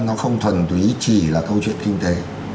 nó không thuần túy chỉ là câu chuyện kinh tế